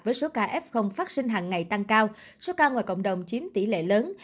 với số ca f phát sinh hàng ngày tăng cao số ca ngoài cộng đồng chiếm tỷ lệ lớn